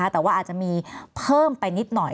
แต่ว่าอาจจะมีเพิ่มไปนิดหน่อย